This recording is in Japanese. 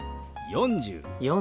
４０。